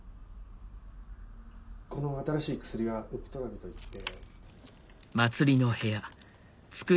この新しい薬がウプトラビといって。